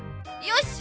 よし！